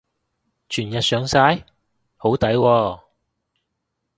全日上晒？好抵喎